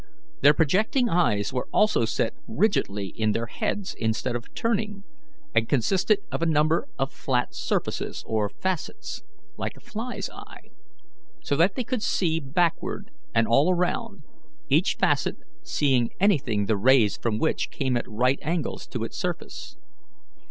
Their projecting eyes were also set rigidly in their heads instead of turning, and consisted of a number of flat surfaces or facets, like a fly's eye, so that they could see backward and all around, each facet seeing anything the rays from which came at right angles to its surface.